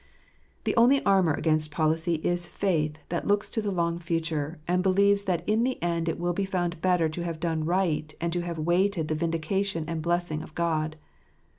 The only armour against policy is faith that looks to the long future, and believes that in the end it will be found better to have done right, and to have waited the vindication and blessing of God.